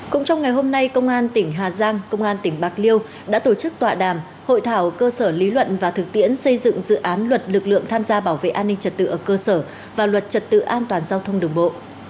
cũng trong ngày hôm nay công an tỉnh hà giang công an tỉnh bạc liêu đã tổ chức tọa đàm hội thảo cơ sở lý luận và thực tiễn xây dựng dự án luật lực lượng tham gia bảo vệ an ninh trật tự ở cơ sở và luật trật tự an toàn giao thông đường bộ